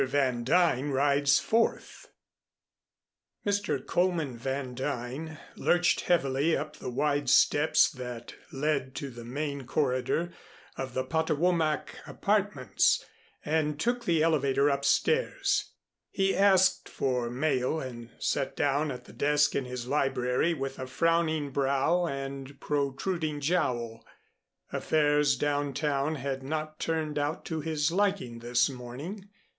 VAN DUYN RIDES FORTH Mr. Coleman Van Duyn lurched heavily up the wide steps that led to the main corridor of the Potowomac apartments and took the elevator upstairs. He asked for mail and sat down at the desk in his library with a frowning brow and protruding jowl. Affairs down town had not turned out to his liking this morning.